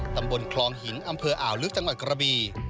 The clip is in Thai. ตำบลคลองหินอำเภออ่าวลึกจังหวัดกระบี